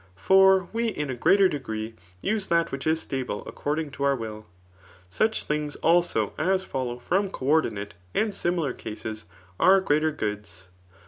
For we in a greater degiee use that which is stable according toourwfll. Such things, also, as follow from co ordinate and similar cases [are greater goods.